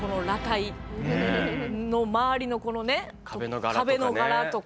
の周りのこのね壁の柄とか。